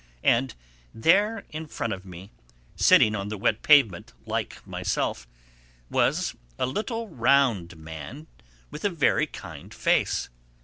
And there in front of me, sitting on the wet pavement like myself, was a little round man with a very kind face.